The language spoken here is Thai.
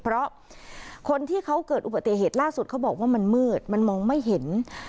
เพราะคนที่เขาเกิดอุบัติเหตุล่าสุดเขาบอกว่ามันมืดมันมองไม่เห็น